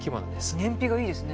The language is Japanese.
燃費がいいですね。